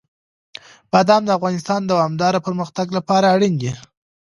بادام د افغانستان د دوامداره پرمختګ لپاره اړین دي.